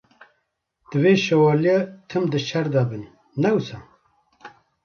Divê Şovalye tim di şer de bin, ne wisa?